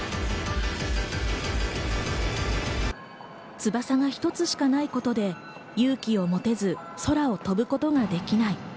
翼が一つしかないことで勇気を持てず、空を飛ぶことができない。